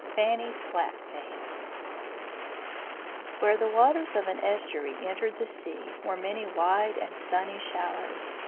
FANNY FLATFACE Where the waters of an estuary entered the sea were many wide and sunny shallows.